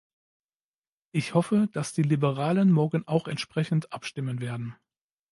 Ich hoffe, dass die Liberalen morgen auch entsprechend abstimmen werden.